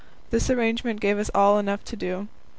This arrangement gave us all enough to do.